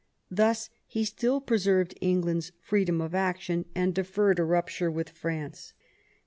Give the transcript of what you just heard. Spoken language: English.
Thus he still preserved England's freedom of action, and deferred a rupture with France.